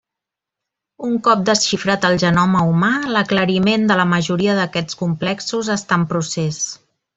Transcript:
Un cop desxifrat el genoma humà, l'aclariment de la majoria d'aquests complexos està en procés.